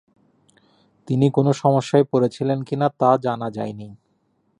তিনি কোন সমস্যায় পড়েছিলেন কি-না তা জানা যায়নি।